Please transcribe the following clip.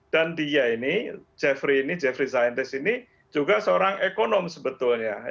dan dia ini jeffrey zients ini juga seorang ekonom sebetulnya